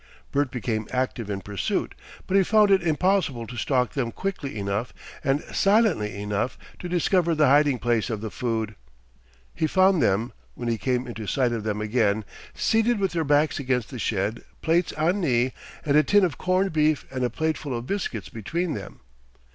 Bert became active in pursuit; but he found it impossible to stalk them quickly enough and silently enough to discover the hiding place of the food. He found them, when he came into sight of them again, seated with their backs against the shed, plates on knee, and a tin of corned beef and a plateful of biscuits between them.